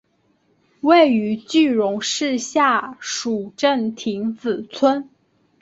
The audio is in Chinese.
位于句容市下蜀镇亭子村。